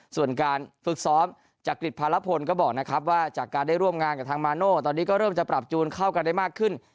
ส่วนการฝึกซ้อมจักริจพารพลก็บอกนะครับว่าจากการได้ร่วมงานกับทางมาโน่ตอนนี้ก็เริ่มจะปรับจูนเข้ากันได้มากขึ้น